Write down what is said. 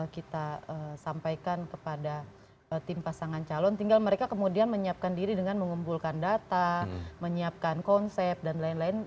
kita sampaikan kepada tim pasangan calon tinggal mereka kemudian menyiapkan diri dengan mengumpulkan data menyiapkan konsep dan lain lain